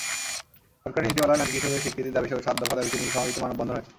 সরকারি নীতিমালায় নারী কৃষকের স্বীকৃতির দাবিসহ সাত দফা দাবিতে নীলফামারীতে মানববন্ধন হয়েছে।